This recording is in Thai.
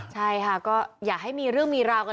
ใช่ค่ะก็อยากให้มีเรื่องมีราวกัน